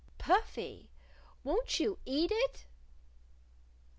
"Puffy! Won't you eat it?"